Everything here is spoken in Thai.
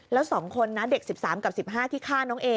แล้ว๒คนนะเด็ก๑๓กับ๑๕ที่ฆ่าน้องเอ